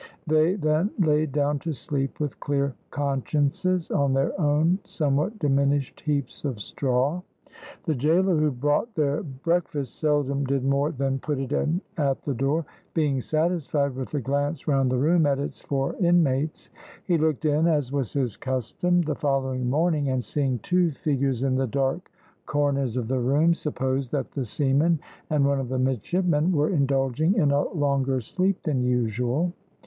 They then laid down to sleep with clear consciences, on their own somewhat diminished heaps of straw. The gaoler who brought their breakfast seldom did more than put it in at the door, being satisfied with a glance round the room at its four inmates. He looked in, as was his custom, the following morning, and seeing two figures in the dark corners of the room, supposed that the seaman and one of the midshipmen were indulging in a longer sleep than usual.